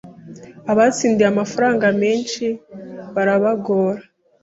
abatsindiye amafaranga menshi barabagora